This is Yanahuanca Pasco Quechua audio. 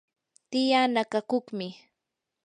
tiyaa nakakuqmi.